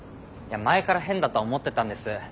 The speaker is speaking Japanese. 前から変だとは思ってたんです。